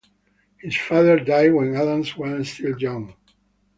His father died when Adams was still young.